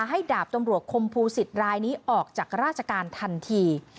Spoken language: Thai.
ดาบตำรวจคมภูสิตรายนี้ออกจากราชการทันที